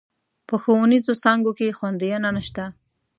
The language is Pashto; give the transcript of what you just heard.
په ښوونيزو څانګو کې خونديينه نشته.